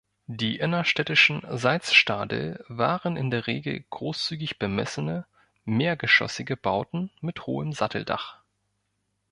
Die innerstädtischen Salzstadel waren in der Regel großzügig bemessene, mehrgeschossige Bauten mit hohem Satteldach.